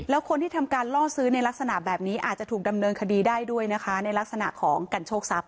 แล้วคนที่ทำการล่อซื้อในลักษณะแบบนี้อาจจะถูกดำเนินคดีได้ด้วยนะคะในลักษณะของกันโชคทรัพย